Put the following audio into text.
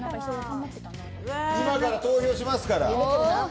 今から投票しますから。